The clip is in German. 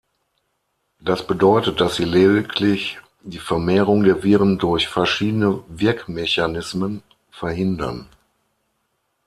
Das bedeutet, dass sie lediglich die Vermehrung der Viren durch verschiedene Wirkmechanismen verhindern.